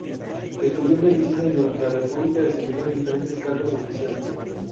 Estudió medicina y durante la República desempeñó diferentes cargos oficiales.